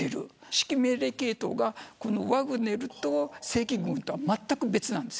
指揮命令系統がワグネルと正規軍では別なんです。